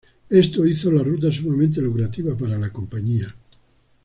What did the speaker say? Esto hizo la ruta sumamente lucrativa para la compañía.